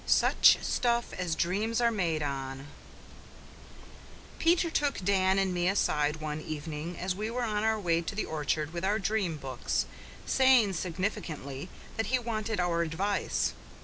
SUCH STUFF AS DREAMS ARE MADE ON Peter took Dan and me aside one evening, as we were on our way to the orchard with our dream books, saying significantly that he wanted our advice.